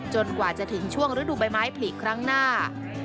กว่าจะถึงช่วงฤดูใบไม้ผลิครั้งหน้า